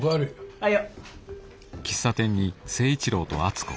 はいよ。